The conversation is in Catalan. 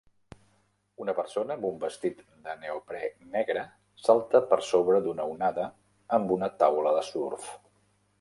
Una persona amb un vestit de neoprè negre salta per sobre d'una onada amb una taula de surf.